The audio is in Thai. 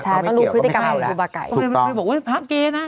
ไก่ก็ไม่เกี่ยวกับครูบาไก่